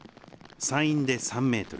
山陰で３メートル